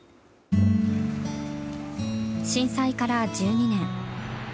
震災から１２年。